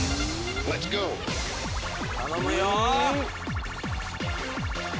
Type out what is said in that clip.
頼むよ